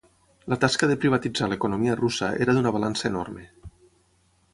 La tasca de privatitzar l'economia russa era d'una balança enorme.